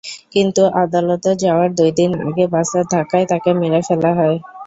কিন্তু আদালতে যাওয়ার দুই দিন আগে বাসের ধাক্কায় তাঁকে মেরে ফেলা হয়।